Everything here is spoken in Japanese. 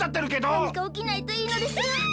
なにかおきないといいのですが。